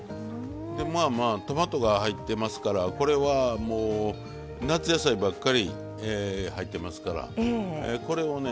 まあまあトマトが入ってますからこれはもう夏野菜ばっかり入ってますからこれをね